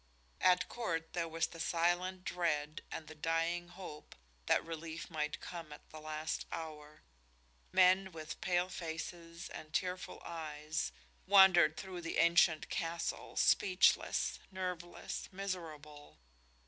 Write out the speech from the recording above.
At court there was the silent dread and the dying hope that relief might come at the last hour. Men, with pale faces and tearful eyes, wandered through the ancient castle, speechless, nerveless, miserable.